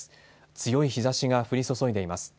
強い日ざしが降り注いでいます。